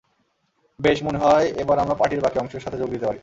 বেশ, মনে হয় এবার আমরা পার্টির বাকি অংশের সাথে যোগ দিতে পারি।